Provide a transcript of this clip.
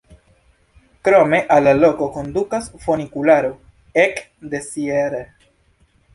Krome al la loko kondukas funikularo ek de Sierre.